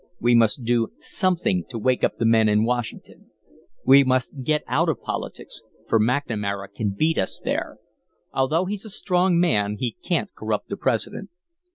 We must do something to wake up the men in Washington. We must get out of politics, for McNamara can beat us there. Although he's a strong man he can't corrupt the President.